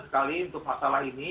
sekali untuk masalah ini